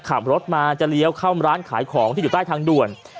ขับรถมาจะเลี้ยวเข้าร้านขายของที่อยู่ใต้ทางด่วน